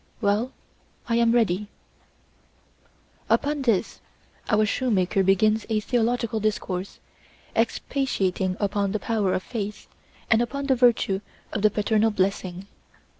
"Well, I am ready." Upon this our shoemaker begins a theological discourse, expatiating upon the power of faith and upon the virtue of the paternal blessing.